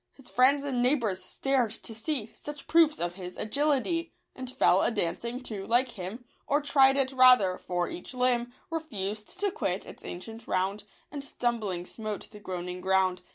His friends and neighbours stared to see Such proofs of his agility, And fell a dancing too, like him ; Or tried it, rather — for each limb Refused to quit its ancient round, And stumbling smote the groaning ground.